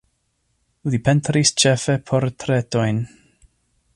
Li pentris ĉefe portretojn.